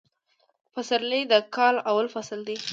فسرلي د کال اول فصل دي